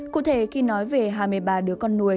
cụ thể khi nói về hai mươi ba đứa con nuôi